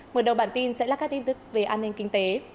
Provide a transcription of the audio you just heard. mở đầu bản tin sẽ là các tin tức về an ninh kinh tế